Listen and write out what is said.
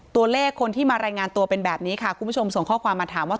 ตัวเลขคนที่มารายงานตัวเป็นแบบนี้ค่ะคุณผู้ชมส่งข้อความมาถามว่า